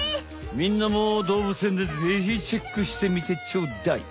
みんなも動物園でぜひチェックしてみてちょうだい。